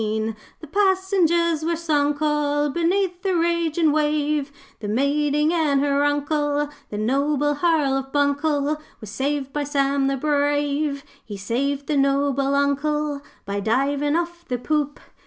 'The passengers were sunk all Beneath the ragin' wave, The maiding and her Uncle, The Noble Hearl of Buncle, Were saved by Sam the Brave. 'He saved the Noble Buncle By divin' off the poop.